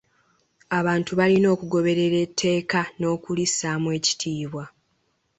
Abantu balina okugoberera etteeka n'okulissaamu ekitiibwa.